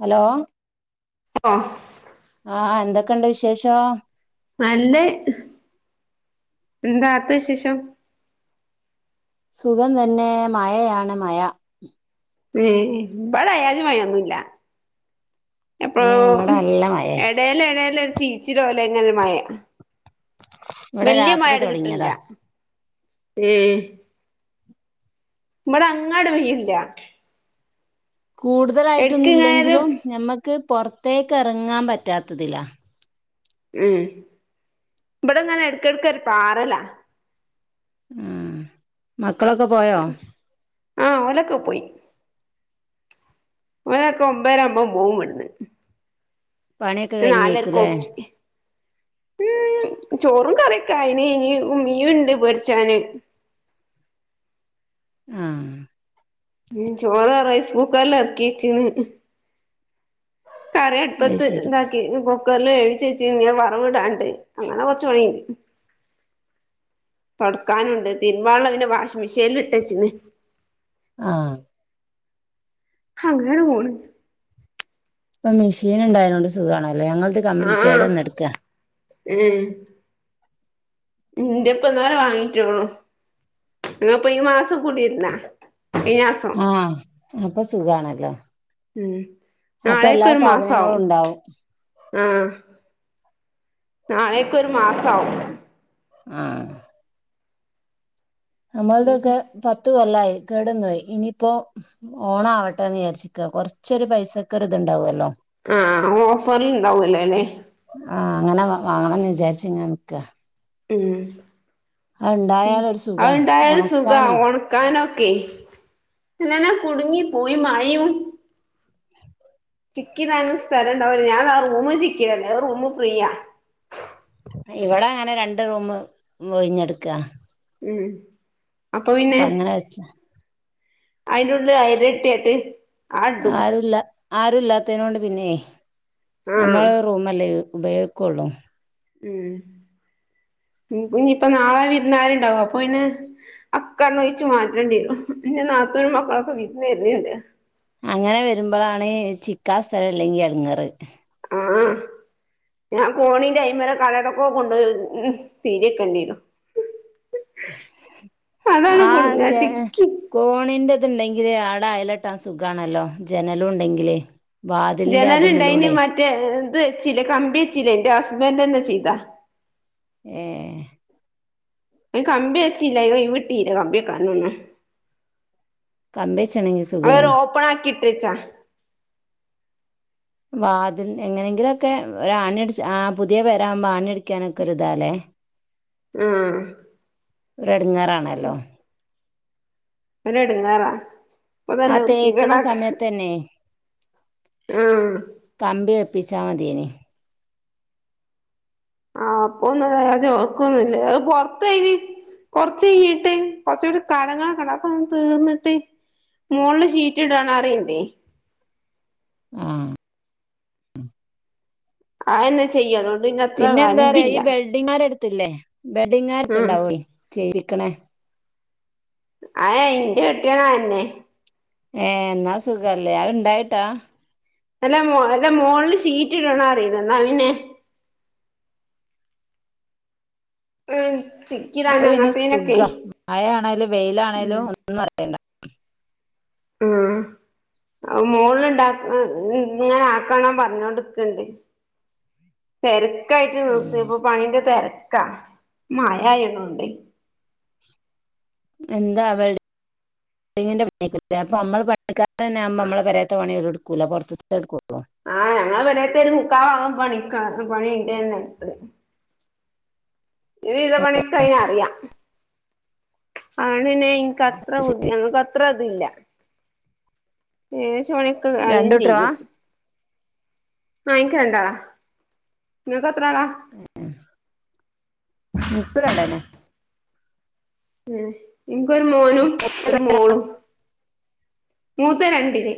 Hello [unintelligible] ആഹ് എന്തൊക്കെണ്ട് വിശേഷം നല്ലേ എന്താട്ത്തേ വിശേഷം സുഖം തന്നെ മഴയാണ് മഴ ഏഹ് ഇബടെ അയാതിമയൊന്നുല്ല ഏ എപ്പഴോ ഇവിടെ നല്ല മഴേ എടേല് എടേലൊര് ചീച്ചിലോലങ്ങനൊര് മഴ ഇവിടെ വല്ല്യ രാത്രി മഴട് തുടങ്ങിയതാ കിട്ട്ണ്ല്ല മ്മ് ഇബടെ അങ്ങനാണ്ട് പെയ്യ്ണ്ല്ല എടക്ക് കൂടുതലായിട്ടൊന്നും ഇങ്ങനെ ഒരു ഇല്ലെങ്കിലും ഞമ്മക്ക് പുറത്തേക്ക് എറങ്ങാൻ പറ്റാത്തതിലാ മ്മ് ഇബടെങ്ങനെ എടക്ക്ടക്കൊര് പാറലാ ഉം മക്കളൊക്കെ പോയോ ആ ഓലൊക്ക പോയി ഓലൊക്കെ ഒമ്പരആകുമ്പ പോവും ഇവുടുന്ന് പണിയൊക്കെ നാലരക്ക് കഴിഞ്ഞേക്കൂലേ ഓക്കി ഉം ചോറും കറിക്കായിന് ഇനി മീനിണ്ട് പൊരിച്ചാന് ഉം ചോറ് റൈസ് കുക്കറില് എറക്കി വെച്ചിന് കറി അത് അട്പ്പത്ത് ശരി ഇണ്ടാക്കി ഇഞ്ഞിപ്പോ കുക്കറിൽ വേവിച്ച് വെച്ച്ന്ഞ്ഞ് അത് വറവ് ഇടാണ്ട് അങ്ങനെ കുറച്ച് പണിണ്ട് തൊടക്കാനുണ്ട് തിര്ബാനൊള്ള പിന്നെ വാഷിംഗ്‌ മെഷീൻൽ ഇട്ടേച്ച്ക്ണ് ആ ഹങ്ങനങ്ങട് പോണ് ഇപ്പ മിഷീന്ണ്ടായോണ്ട് സുഖാണല്ലേ ഞങ്ങൾത് അ ആ ഏ ന്റെ ഇപ്പന്നാൾ വാങ്ങിട്ടൊള്ളു ഞങ്ങളിപ്പൊ ഈ മാസം കുടിര്ന്നാ ഈ മാസം ആ അപ്പാ സുഖാണല്ലോ ഉം അപ്പാ എല്ലാ സാധനങ്ങളും ഇണ്ടാവും ആ നാളെക്ക് ഒരു മാസാവും ആ നമ്മൾതൊക്കെ പത്ത് കൊല്ലായി കേടന്നൊയി ഇനീപ്പോ ഓണആവട്ടെന്ന് വിചാരിച്ച്ക്കാ കൊർച്ചൊരു പൈസക്ക് ഒര് ഇത്ണ്ടാവല്ലോ ആഹ് ഓഫറ് ഇണ്ടാവുല്ലോല്ലേ ആ അങ്ങനെ വാ വാങ്ങണന്ന് വിചാരിച്ച് ഇങ്ങനെ നിക്കാ ഉം ഉം ഇണ്ടായാല് ഒരു സുഖാ അഹ്ണ്ടായാലും സുഖാ ഒണക്കാനേ ഒൺ ക്കാനൊക്കെ പിന്നന്നെ കുടുങ്ങി പോയി മയയും ചിക്കിടാനും സ്ഥലംണ്ടാവൂല ഞാൻ റൂമും ചിക്കിടല്ല ഒരു റൂംമ് ഫ്രീയാ ഇവടെ അങ്ങനെ രണ്ട് റൂംമ് ഒയിഞ്ഞിടെക്കാ ഉം അപ്പൊ പിന്നെ അങ്ങനെ വെച്ച അയിന്റെ ഉള്ളില് അയല് ഇട്ടിയെട്ട് ആരുല്ല ആരുല്ലാതേനൊണ്ട് പിന്നെ ആഹ് ഞമ്മള് റൂമല്ലേ ഉപയോ കൊള്ളു ഉം ഇനിയിപ്പ നാളെ വിരുന്നരുണ്ടാവും അപ്പൊ പിന്നെ അക്കൊങ്ങടെഴിച്ചു മാറ്റേണ്ടി വരും എ നാത്തോനും മക്കളുംക്കെ വിരുന്ന് വരണിണ്ട് അങ്ങനെ വരുമ്പോളാണ് ചിക്കാ സ്ഥലല്ലെങ്കി എടുങ്ങറ് ആ ഞാൻ കോണിന്റെ അൈ വരെ കലടക്ക കൊണ്ടുപോ ഉ തീരക്കേണ്ടിനു അതാണ് ആ കുടുങ്ങ സ്റ്റേ ചിക്കി കോണിന്റെതുണ്ടെങ്കില് ആട അയലട്ടാ സുഖാണല്ലോ ജനലും ഉണ്ടെങ്കില് വാതിലിന്റെ ജനലുണ്ടായിന് അതുമ്മലൂടെ മറ്റേ എത് വെച്ചില്ലേ കമ്പി വെച്ചില്ലേ എന്റെ ഹസ്ബൻറ് തന്നെ ചെയ്താ ഏ കമ്പി വെച്ചില്ല വിട്ടീര കമ്പിയൊക്കാനൊന്ന് കമ്പിച്ചാണെങ്കി സുഖേനെ ഓപ്പണാക്കി തേച്ച വാതിൽ എങ്ങനെങ്കിലൊക്കെ ഒരാണി അടിച്ച ആ പുതിയ പേരാ ആവുമ്പോ ആണിയാടിക്കാനൊക്കെ ഒരിതാല്ലേ ഉം ഒരെടുങ്ങാറാണല്ലോ ഒരെടങ്ങേറാ ആ തേക്കണ സമയത്തന്നെ ആഹ് കമ്പി വെപ്പിച്ചാ മതീന് ആഹ് അപ്പൊന്ന് ഓക്കൊന്നില്ലേ അഹ് പൊറത്തെയിന് കൊറഴിട്ട് കൊറച്ചൂടി കടങ്ങൾ ഒക്കെ ഇൻണ്ട് അധോക്കെന്ന് തീർന്നിട്ട് മുളിൽ ചീറ്റ് ഇടണറണ്ട് ആഹ ആ എന്നെ ചെയ്യുംകൊണ്ട് ഇന്ന അത്ര റണ്ടില്ല ത്തില്ലേ വെഡിങ് ആരത്ത്ണ്ടാവെ ച്വയിക്കണേ അ ഇയിന്റെ കെട്ടിയണാ അ അന്നെ ഏ എന്നാ സുഖല്ലേ അഹ് ഇണ്ടായിട്ടാ അല്ലെ അല്ല മോളില് ചീറ്റിടണ റിണ്ട് എന്നാ പിന്നെ മ് ചിക്കിടാൻ അങ്ങത്തിനോക്കെ മഴ ആണേലും വെയില ആണേലും ഒന്നും അറിയേണ്ട [inaudible] മോള് ഇണ്ട ങ്ങനെ ആക്കണം പറഞ്ഞോടുക്കണ്ട് തിരക്കായിട്ട് ഉം നിർത്തപ്പൊ പണീന്റെ തിരക്കാ മഴായിണണ്ട് എന്താ അവടെ പൈപ്പ്പിങ്ങിന്റെ പണിക്കെ ഇല്ലേ അപ്പ നമ്മൾ പണി ക്കാരൊവുമ്പോ നമ്മളെ പേരെ ത്ത പണിഓല്ടുക്കൂല്ല പുറത്ത്ത്തെടുകോള്ളൂ ആഹ് ഞങ്ങളെ പെരേത്ത ഒരു മുക്കാഭാഗം പണി പണി ഉണ്ടനെ എടുത്ത് ഒരുവിധ പണിക്കെ അയിന് അറിയ ആണ്നെ ഞങ്ങൾക്ക് അത്ര ബുദ്ധി അത്ര ഇതില്ല എഗെദേശ പണിക്കെ അഹേണൊ രണ്ടു കുട്ടികളാ ചെയ്യും അ യിക്ക് രണ്ടാളാ നിങ്ങക്ക് എത്ര ആളാ ഹേ ഹേ ഇന്ക്കും രണ്ടന്നെ മ് ഇൻക്കൊരു മോനും ഒരു മൂത്തത് മോളും മൂ - -ത്ത് രണ്ടിൽ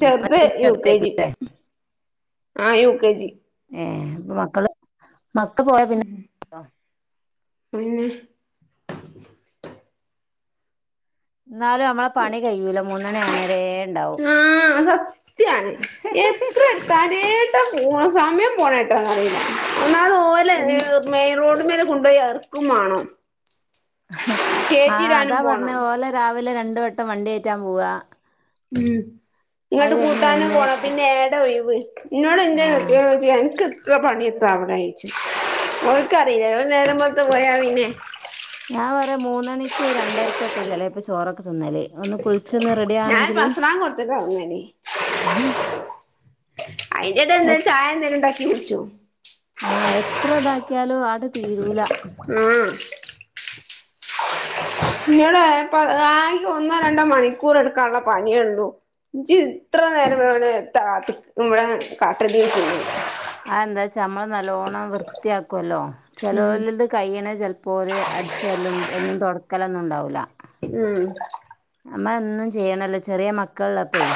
ചെറുത് യു കെ ജി ചെറുതായിരിക്കൂലേ ആ യു കെ ജി ഹേ മക്കള് മക്ക പോയ പിന്നെ പിന്നെ എന്നാലും നമ്മളെ പണി കഴിയൂല മൂന്നണി ആണേര ഉണ്ടാവും ആഹ സത്യാണ് എത്ര എത്താലും ഏട്ടാ പോവ സമയം പോണായിട്ടാന്ന് അറിയില്ല ഒന്നാമദ് ഓരോ യെല്ലേ മെയിൻ റോഡിമേല് കൊണ്ടുയി എറക്കും മാണം ആഹ് കേറ്റിടാനും അതാ പോണം പറഞ്ഞെ ഓലെ രാവിലെ രണ്ട് വട്ടം വണ്ടി കേറ്റാൻ പോവാ ഉം അത് ഇങ്ങട്ട് കഴിഞ്ഞ് കൂട്ടാനും വന്ന് പോണം പിന്നെടെ ഒഴിവ് നോട് ആ ന്റെ ഏലച്ചി അൻക്ക്- -ഇത്ര പണിയെത്ത അവിടെ ചോയ്ച്ചും ഒൽക്കറിലല്ലോ ഓല് നേരം വെളുത്ത് പോയാ പിന്നേ ഞാൻ പറയ മൂന്നണിക്കും രണ്ടരക്കൊക്കെ ചിലെപ്പോ ചോറൊക്കെ തിന്നലേ ഞാൻപ്പ അസാരങ്ക് കൊടുത്തിട്ട ഒരങ്ങല് അയിന്റെടെ എന്തേലും ചായ എന്തേലും ഇണ്ടാക്കി കുടിച്ചും ആഹ് എത്ര ഇതാക്കിയാലും ആട് തീരൂല ഉം ന്നോട് [unintelligible] ആക ഒന്നോ രണ്ടോ മണിക്കൂർ എടുക്കാനുള്ള പണിയള്ളൂ ഇജ് ഇത്ര നേരം ഇവിടെത്താ ഇവിടെ കാട്ടല് [unintelligible] ആ എന്താച്ച നമ്മള് നല്ലോണ്ണം വൃത്തിയാക്കുവല്ലോ ഉം ചേലോലത് കയ്യണത് ചെലപ്പോ ഓല് അടിച് ചേരാലും എന്നും തൊടക്കലൊന്നും ഇണ്ടാവൂല ഉം നമ്മ എന്നും ചെയ്യണല്ലോ ചെറിയ മക്കളിള്ളപ്പേ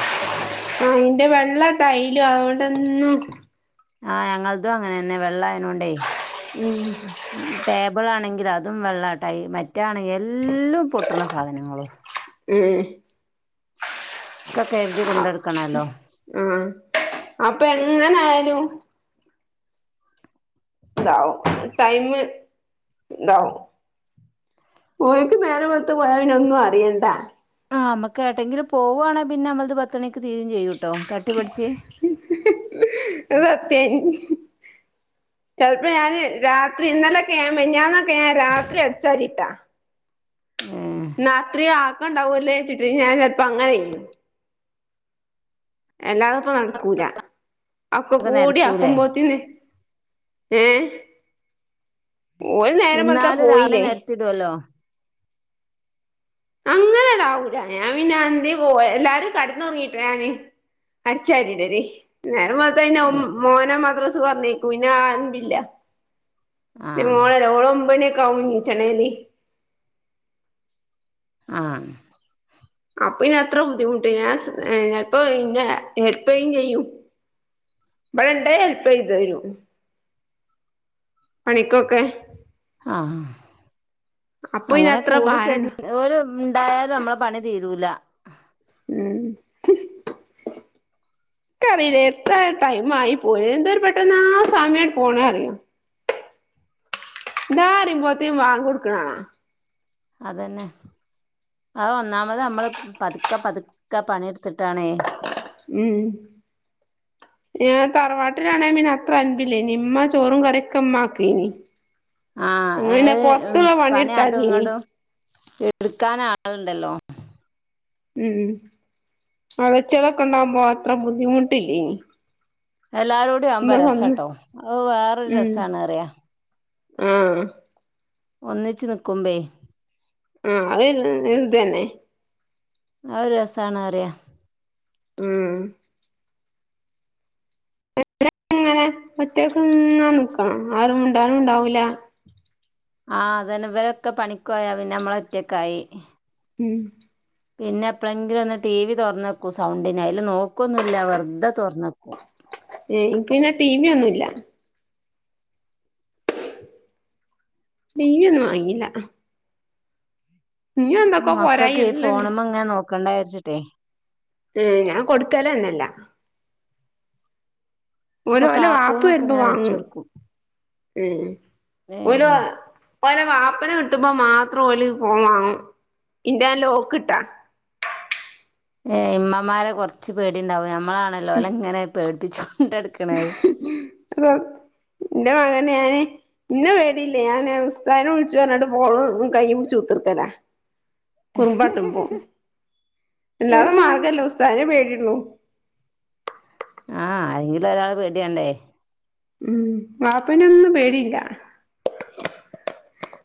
അ ഇന്റെ വെള്ളട്ടൈലും അതുകൊണ്ടെന്നും ആഹ് ഞങ്ങളതും അങ്ങനെ തന്നെ വെള്ള ആയനൊണ്ടെ ഉം ടേബിളാണെങ്കില് അതും വെള്ളട്ട മറ്റേ ആണെങ്കി എല്ലും പൊട്ടണ സാനങ്ങള്. ഉം ഒക്കെ കരുതി കൊണ്ടടക്കണല്ലോ. ആഹ് അപ്പൊ എങ്ങനായാലും ഇതാവും, ടൈമ് ഇതാവും. ഓല്ക്ക് നേരം വെളുത്ത് പോയ പിന്ന ഒന്നും അറിയണ്ട. ആഹ് അമ്മക്ക് എടെങ്കിലും പോവാണേ പിന്നെ നമ്മളത് പത്ത് മണിക്ക് തീരേം ചെയ്യൂട്ടോ തട്ടിപ്പെടച്ച്. അത് സത്യ. ചെലപ്പോ ഞാന് രാത്രി ഇന്നലൊക്കെ ഞാ മിഞ്ഞാന്നൊക്കെ ഞാ രാത്രി അടിച്ചരിട്ട. ഉം രാത്രി ആക്കണ്ടാവൂലെച്ചിട്ട് ഞാൻ ചെലപ്പോ അങ്ങനെ ചെയ്യും. എല്ലാതെ ഇപ്പ നടക്കൂല. ഒക്കെ കൂടി ആക്കുമ്പോത്തിന് ഏ ഓല് നേരം വെളുത്ത പോയില്ലേ. ത്തിടുല്ലോ. അങ്ങനാടാവൂല ഞാ പിന്ന അന്തി പോ എല്ലാരും കെടന്നുറങ്ങിട്ട ഞാന് അടിച്ചാരിടല്. നേരം വെള്ത്തഴിഞ്ഞ ഒ മോനെ മദ്രസ് പറഞ്ഞേക്കും. പിന്നെ ആരൂല്ല. പിന്നെ ആഹ് മോളല്ലേ ഓള് ഒമ്പണിയൊക്കെ ആകും ണിചണേല്. ആഹ്. അപ്പൊ ഇനി അത്ര ബുദ്ധിമുട്ട് ഞാ ഞപ്പൊ ഇ ഹെല്പ്പെയ്യും ചെയ്യും. ഇബടെണ്ടേ ഹെൽപ്യ്തരും. പണിക്കൊക്കെ ആഹ് അപ്പൊ ഇനി അങ്ങനെ അത്ര കൂടി ഭാരണ്ട ചരി ഓര് ഇണ്ടായാലും അമ്മള പണി തീരൂല. ഉം [inaudible] ക്ക്അറിയില്ലേ എത്ര ടൈമ് ആയി പോയി എന്തോരു പെട്ടെന്നാ സമയം പോണെ അറിയോ. ദാ പറയുമ്പോത്തി വാങ്കോടുക്ക്‌ണാണ. അതന്നെ അത് ഒന്നാമത് നമ്മള് പത്ക്ക, പത്ക്ക പാണെടുത്തിട്ടാണെ ഉം. [inaudible] ഞ തറവാട്ടിലാണെ പിന്നെ അത്ര അൻപില്ലേനി ഇമ്മ ചോറും കറിക്കെ മ്മ ആക്കിനി ആഹ് ഇങ്ങനെ ഏഹ് പൊർത്ത്ള്ള പണി ആട്ടും പണിട്ത്താതിനി. ഇങ്ങോട്ടും എടുക്കാൻ ആള്ണ്ടല്ലോ? ഉം അളെ ചെലക്കണ്ട്പോ അത്ര ബുദ്ധിമുട്ടില്ലെനി എല്ലാരോടിം ആവുമ്പോ രസട്ടോ അത് വേറൊരു ഉം രസാണ്റയ. ആഹ് ഒന്നിച്ച് നിക്കുമ്പേ ആഹ് അത് ഇത് ഇതന്നെ. അഒര് രസാണ്റയാ. ഉം. [unintelligible] ഇങ്ങനെ ഒറ്റക്ക് ഇങ്ങനെ നിക്കണം. ആരും മിണ്ടാനും ഉണ്ടാവൂല. ആ അതന്നെ ഇവരൊക്കെ പണിക്കൊയ പിന്നെ നമ്മളൊറ്റക്കായി. ഉം പിന്നെ എപ്പളെങ്കിലും ഒന്ന് ടി. വി തോറന്നക്കും, സൗണ്ടിന്. അയില് നോക്കുവൊന്നും ഇല്ല വെറുതെ തോറന്നക്കും. ഏ എനിക്ക്ന്നെ ടി വി യൊന്നുല്ല. ടി. വിന്നും വാങ്ങിയില്ല. എന്തൊക്കോ മക്കക്കെ ഈ പോരായികള്ണ്ട് ഫോണുമ്മേങ്ങനെ നോക്കണ്ടാചാരിച്ചിട്ടേ ഏ ഞാൻ കൊടുക്കലന്നല്ല അപ്പൊ ഓരോല വാപ്പ കാർട്ടൂണൊക്കെ വെരുമ്പ ഇങ്ങനെ വെച്ച് വാങ്ങും. കൊടുക്കും ഉം ഏ ഓല്വ ഓലെ വാപ്പെനെ കിട്ടുമ്പോ മാത്രോല് ഫോൺ വാങ്ങും. ഇന്റെയാലോക്ക് ഇട്ടാ ഏ ഇമ്മമാരെ കൊറച്ച് പേടിണ്ടാവും ഞമ്മളാണല്ലോ ഓലെങ്ങനെ പേടിപ്പിച്ചൊണ്ട്നടക്കണെ [unintelligible] ഇന്റെ മകനെ ഞാന് ഇന്നെ വേടിയില്ല ഞാന് ഉസ്തായിനെ വിളിച്ചു പറഞ്ഞിട്ട് ഫോണു [unintelligible] കൈയു പുടിച്ച് കുത്ത്ർക്കലാ കുറുമ്പാട്ടുമ്പോ ഇല്ലാതെ മാർഗല്ല ഉസ്തായിനെ പേട്യുള്ളു ആഹ് ആരെങ്കിലൊരാളെ പേടി ഏണ്ടേ ഉം വാപ്പെനെ ഒന്നും പേടിയില്ല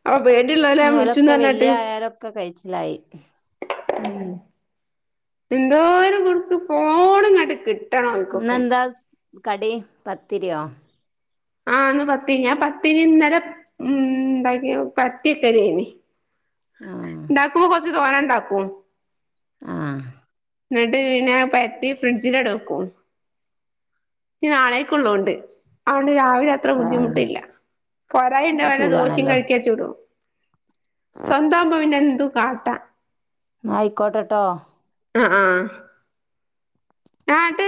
അ പേട്യുള്ളോലെയാ വിളിച്ചൂന്നറഞ്ഞാട്ട് ക്ക കയിച്ചിലായി ഉം. എന്തോരം കൊടുക്ക് ഫോണ്ങ്ങാട്ട്ക്ക് ഇന്നെന്താ സ് കടി പത്തിരിയോ? ആഹ് ന്ന് പത്തി ഞാ പത്തിരി ഇന്നലെ ഉംണ്ടാക്കി പര്ത്തിയിട്ടതേനി ആഹ് ണ്ടാക്കുമ്പോ കൊറച്ച് തോനെണ്ടാക്കും. ആഹ് ന്നട്ട് പിന്നെ പര്ത്തി ഫ്രിഡ്ജില്ടുക്കും. നി നാളെക്കുള്ളോണ്ട് അതൊണ്ട് രാവിലെ ത്ര ആഹ് ബുദ്ധിമുട്ടില്ല പോരായിണ്ടെ അപ്പൊ വല്ല ദോശേം സുഖാണല്ലോ കലക്കിയാചുടും. സ്വന്താവുമ്പ വിന്നെ എന്തു കാട്ടാം. ന്നായിക്കോട്ടെട്ടോ ആഹ് ആഹ് ആട്ട്